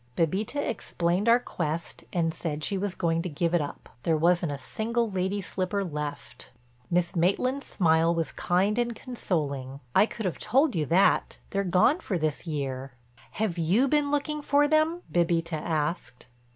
Bébita explained our quest and said she was going to give it up—there wasn't a single lady slipper left. Miss Maitland's smile was kind and consoling: "I could have told you that. They're gone for this year." "Have you been looking for them?" Bébita asked.